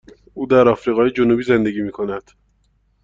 او در آفریقای جنوبی زندگی می کند.